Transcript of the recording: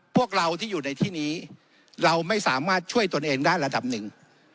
พวกเราที่อยู่ในที่นี้เราไม่สามารถช่วยตนเองได้ระดับหนึ่ง